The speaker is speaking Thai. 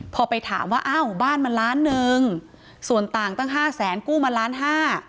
พอไปถามว่าอ้าวบ้านมันล้านหนึ่งส่วนต่างตั้งห้าแสนกู้มาล้านห้า